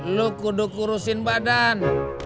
lu kuduk urusin badan